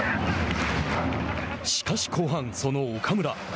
しかし後半、その岡村。